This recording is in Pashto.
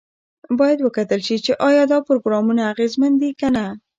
باید وکتل شي چې ایا دا پروګرامونه اغیزمن دي که نه.